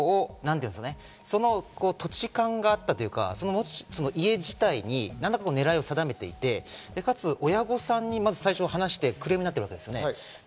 土地勘があったというか、家自体に狙いを定めていて、かつ親御さんにまず話してクレームになっているわけですよね。